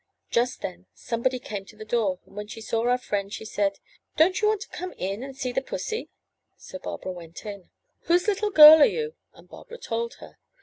Just then somebody came to the door, and when she saw our friend she said: Don't you want to come in and see the pussy?'* So Barbara went in. ''Whose little girl are you?'' and Barbara told her.